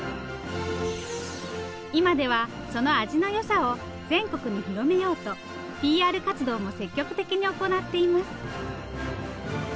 今ではその味の良さを全国に広めようとＰＲ活動も積極的に行っています。